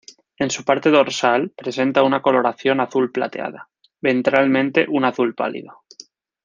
En su parte dorsal presenta una coloración azul plateada, ventralmente un azul pálido.